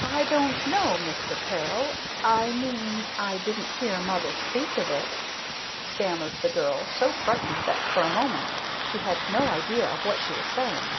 "I don't know, Mr. Peril I mean, I didn't hear mother, speak of it," stammered the girl, so frightened that for a moment she had no idea of what she was saying.